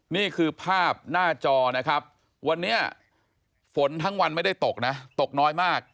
นี่คือภาพหน้าจอนะครับวันนี้ฝนทั้งวันไม่ได้ตกนะตกน้อยมาก